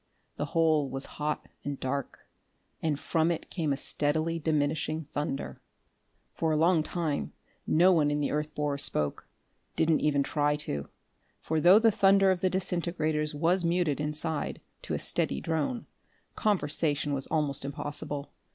The hole was hot and dark, and from it came a steadily diminishing thunder.... For a long time no one in the earth borer spoke didn't even try to for though the thunder of the disintegrators was muted, inside, to a steady drone, conversation was almost impossible.